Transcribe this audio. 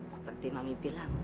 seperti mami bilang